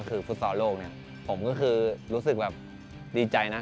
คือฟุตซอลโลกเนี่ยผมก็คือรู้สึกแบบดีใจนะ